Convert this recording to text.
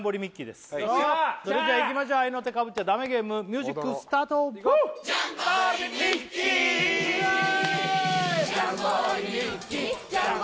ですそれじゃいきましょう合いの手かぶっちゃダメゲームミュージックスタートイエーイ！